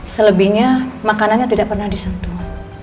selebihnya makanannya tidak pernah disentuh